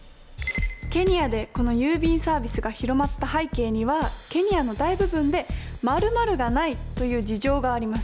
ケニアでこの郵便サービスが広まった背景には「ケニアの大部分で○○がない」という事情があります。